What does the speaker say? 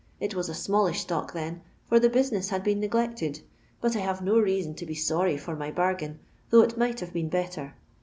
It was a smallish stock then, for the business had been neglected, but I have no reason to be torry for my bargain, though it might have been bettor.